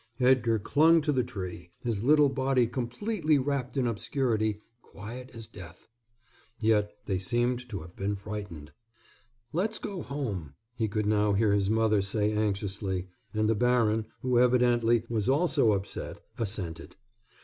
Edgar clung to the tree, his little body completely wrapped in obscurity, quiet as death. Yet they seemed to have been frightened. "Let's go home," he could now hear his mother say anxiously, and the baron, who, evidently, was also upset, assented.